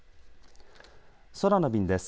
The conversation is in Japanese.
空の便です。